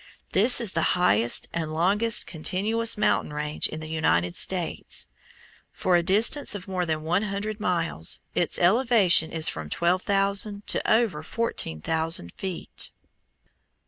This is the highest and longest continuous mountain range in the United States. For a distance of more than one hundred miles its elevation is from twelve thousand to over fourteen thousand feet.